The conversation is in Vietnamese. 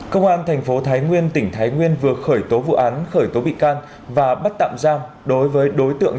công an thành phố thái nguyên tỉnh thái nguyên vừa khởi tố vụ án khởi tố bị can và bắt tạm giam đối với đối tượng